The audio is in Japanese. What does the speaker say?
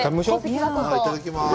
いただきます。